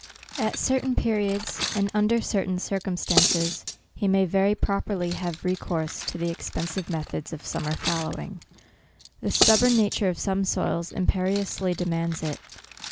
At certain periods, and under certain cir cumstances, he may very properly have re course to the expensive method of summer fallowing,. The stubborn nature of some soils imperiously demands it.